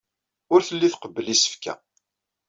Ur telli tqebbel isefka.